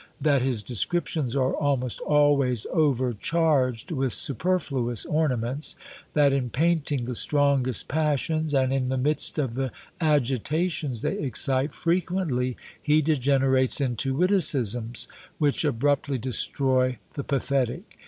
That his descriptions are almost always overcharged with superfluous ornaments. That in painting the strongest passions, and in the midst of the agitations they excite, frequently he degenerates into witticisms, which abruptly destroy the pathetic.